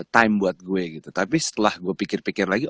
time buat gue gitu tapi setelah gue pikir pikir lagi